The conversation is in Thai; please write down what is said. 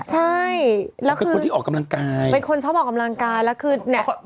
ใช่แล้วคือคนที่ออกกำลังกายเป็นคนชอบออกกำลังกายแล้วคือเนี่ย